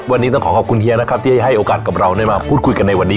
วันนี้ต้องขอขอบคุณเฮียนะครับที่ให้โอกาสกับเราได้มาพูดคุยกันในวันนี้